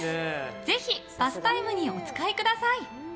ぜひバスタイムにお使いください。